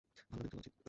ভালোভাবেই চলা উচিত।